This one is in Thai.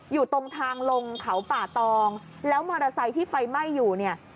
อยู่ตรงทางลงเขาป่าตองแล้วมอเตอร์ไซค์ที่ไฟไหม้อยู่เนี่ย